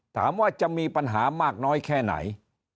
ถามว่าจะมีปัญหามากน้อยแค่ไหน